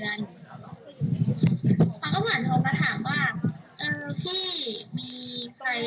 ไปเที่ยวนั้นท้องอย่างเที่ยวใช่